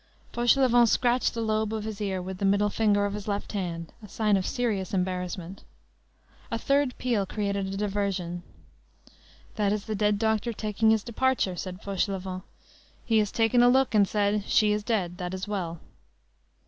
Fauchelevent scratched the lobe of his ear with the middle finger of his left hand, a sign of serious embarrassment. A third peal created a diversion. "That is the dead doctor taking his departure," said Fauchelevent. "He has taken a look and said: 'She is dead, that is well.